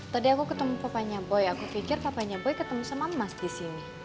tadi aku ketemu papanya boy aku kejar papanya boy ketemu sama mas disini